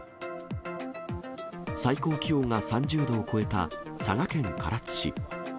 最高気温が３０度を超えた佐賀県唐津市。